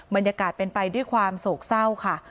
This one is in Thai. บรรยากาศเป็นไปด้วยความโศกเศร้าค่ะ